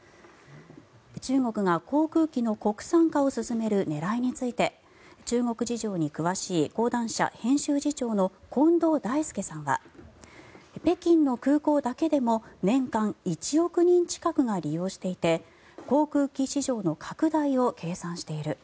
中国が航空機の国産化を進める狙いについて中国事情に詳しい講談社編集次長の近藤大介さんは北京の空港だけでも年間１億人近くが利用していて航空機市場の拡大を計算している。